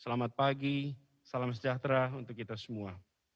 selamat pagi salam sejahtera untuk kita semua